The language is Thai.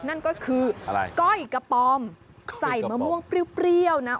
นั่นก็คืออะไรก้อยกระป๋อมใส่มะม่วงเปรี้ยวนะ